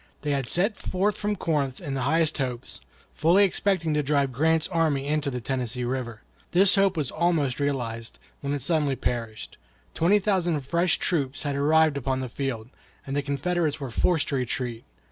They had set forth from Corinth in the highest hopes, fully expecting to drive Grant's army into the Tennessee River. This hope was almost realized, when it suddenly perished: twenty thousand fresh troops had arrived upon the field, and the Confederates were forced to retreat.